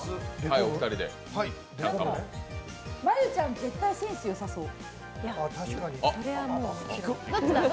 真悠ちゃん、絶対センスよさそう。